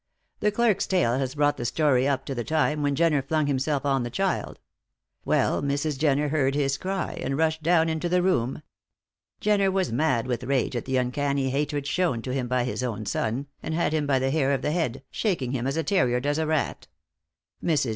"The clerk's tale has brought the story up to the time when Jenner flung himself on the child. Well, Mrs. Jenner heard his cry, and rushed down into the room. Jenner was mad with rage at the uncanny hatred shewn to him by his own son, and had him by the hair of the head, shaking him as a terrier does a rat. Mrs.